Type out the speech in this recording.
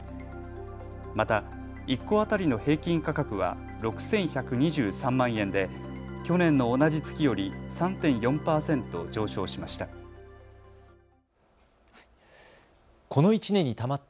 また、１戸当たりの平均価格は６１２３万円で去年の同じ月より３．４％上昇しました。